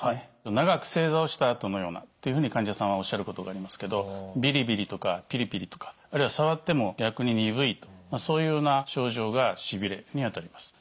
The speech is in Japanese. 長く正座をしたあとのようなっていうふうに患者さんはおっしゃることがありますけどビリビリとかピリピリとかあるいは触っても逆に鈍いとそういうような症状がしびれにあたります。